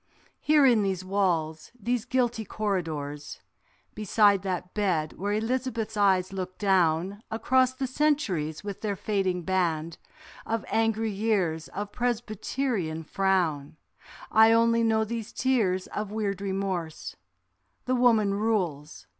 Here in these walls, these guilty corridors, Beside that bed where Elizabeth's eyes look down; Across the centuries with their fading band Of angry years of Presbyterian frown, I only know these tears of weird remorse; The woman rules.